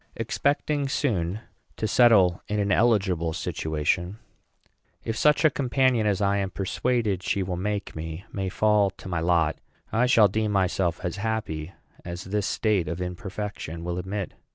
Expecting soon to settle in an eligible situation, if such a companion as I am persuaded she will make me may fall to my lot, I shall deem myself as happy as this state of imperfection will admit.